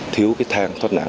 thiếu thang thoát nạn